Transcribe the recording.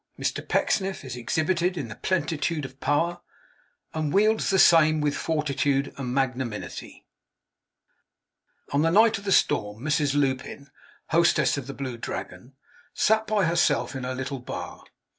MR PECKSNIFF IS EXHIBITED IN THE PLENITUDE OF POWER; AND WIELDS THE SAME WITH FORTITUDE AND MAGNANIMITY On the night of the storm, Mrs Lupin, hostess of the Blue Dragon, sat by herself in her little bar.